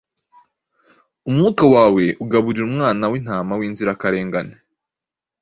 Umwuka wawe ugaburira umwana w'intama w'inzirakarengane,